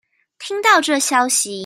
聽到這消息